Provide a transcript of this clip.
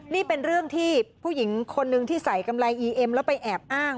นี่เป็นเรื่องที่ผู้หญิงคนนึงที่ใส่กำไรอีเอ็มแล้วไปแอบอ้าง